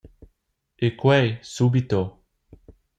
E quei subito.